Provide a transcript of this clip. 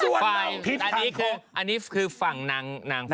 ว้ายอันนี้คือฝั่งนางฝราน